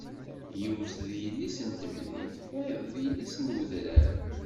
Yiwet d yelli-s n temdint, tayeḍ d yelli-s n wedrar.